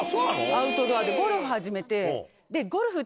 アウトドアでゴルフ始めて。